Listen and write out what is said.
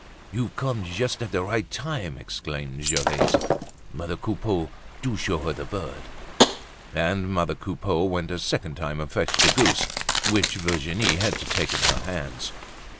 "You've come just at the right time!" exclaimed Gervaise. "Mother Coupeau, do show her the bird." And mother Coupeau went a second time and fetched the goose, which Virginie had to take in her hands.